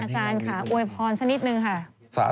อาจารย์ค่ะอวยพรสักนิดนึงค่ะ